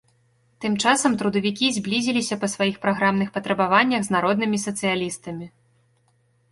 Тым часам трудавікі зблізіліся па сваіх праграмных патрабаваннях з народнымі сацыялістамі.